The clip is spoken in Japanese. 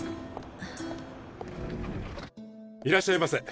いらっしゃいませ。